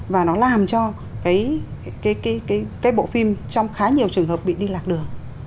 và nó làm cho cái bộ phim trong khá nhiều trường hợp bị đi lạc đường